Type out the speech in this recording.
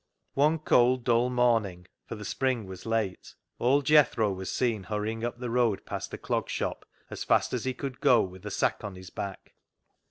One cold, dull morning — for the spring was late — old Jethro was seen hurrying up the road past the Clog Shop as fast as he could go, with a sack on his back.